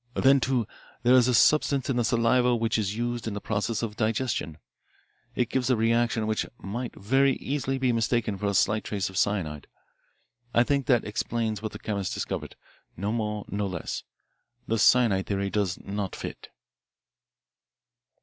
Then, too, there is a substance in the saliva which is used in the process of digestion. It gives a reaction which might very easily be mistaken for a slight trace of cyanide. I think that explains what the chemist discovered; no more, no less. The cyanide theory does not fit."